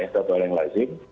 satu hal yang lazim